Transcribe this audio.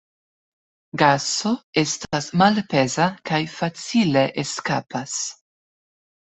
Gaso estas malpeza kaj facile eskapas.